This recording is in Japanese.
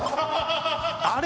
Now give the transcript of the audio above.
あれ？